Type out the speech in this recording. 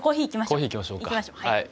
コーヒー行きましょうかはい。